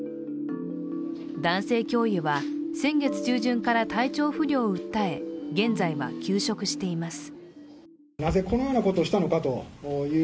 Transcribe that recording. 男性教諭は先月中旬から体調不良を訴え現在は休職しています。